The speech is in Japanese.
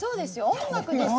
音楽ですよ。